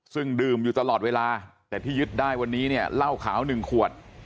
ซึ่งดื่มอยู่ตลอดเวลาแต่ที่ยึดได้วันนี้เนี่ยเหล้าขาว๑ขวด